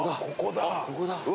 ここだ。